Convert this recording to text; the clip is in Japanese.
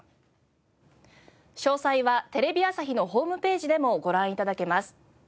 詳細はテレビ朝日のホームページでもご覧頂けます。